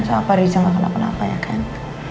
sampai riza gak kena kenapa kenapa ya kan